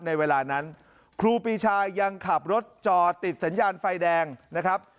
ในเวลานั้นครูปีชายังขับรถจอติดสัญญาณไฟแดงนะครับ